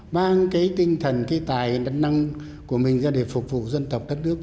mang cái tinh thần cái tài năng của mình ra để phục vụ dân tộc đất nước